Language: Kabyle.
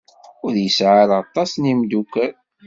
Ur yesɛi ara aṭas n yimeddukal.